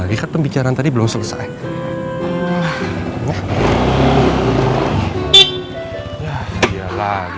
tiap orang tua murid